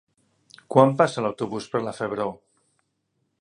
Quan passa l'autobús per la Febró?